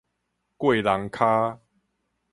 過櫳跤